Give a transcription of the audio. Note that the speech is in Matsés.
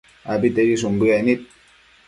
abitedishun bëec nid